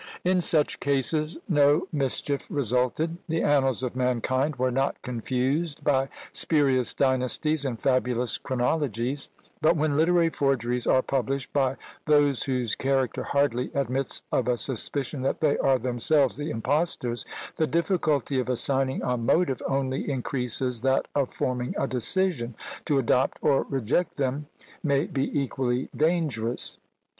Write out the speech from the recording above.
In such cases no mischief resulted; the annals of mankind were not confused by spurious dynasties and fabulous chronologies; but when literary forgeries are published by those whose character hardly admits of a suspicion that they are themselves the impostors, the difficulty of assigning a motive only increases that of forming a decision; to adopt or reject them may be equally dangerous.